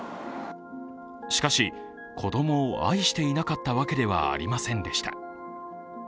しかし、子供を愛していなかったわけではありませんでした。